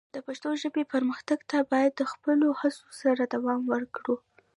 د پښتو ژبې پرمختګ ته باید د خپلو هڅو سره دوام ورکړو.